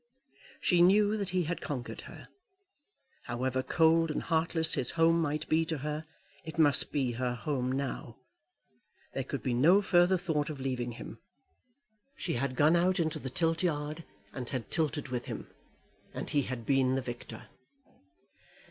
She knew that he had conquered her. However cold and heartless his home might be to her, it must be her home now. There could be no further thought of leaving him. She had gone out into the tiltyard and had tilted with him, and he had been the victor.